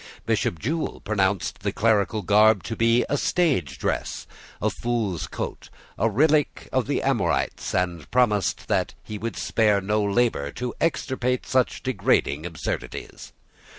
Bishop Jewel pronounced the clerical garb to be a stage dress, a fool's coat, a relique of the Amorites, and promised that he would spare no labour to extirpate such degrading absurdities.